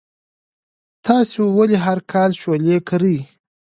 تاسو ولې هر کال شولې کرئ؟